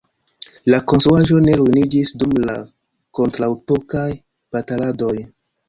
La konstruaĵo ne ruiniĝis dum la kontraŭturkaj bataladoj.